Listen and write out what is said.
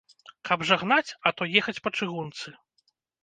Каб жа гнаць, а то ехаць па чыгунцы.